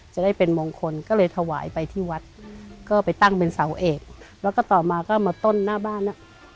จะได้เป็นมงคลก็เลยถวายไปที่วัดก็ไปตั้งเป็นเสาเอกแล้วก็ต่อมาก็มาต้นหน้าบ้านอ่ะ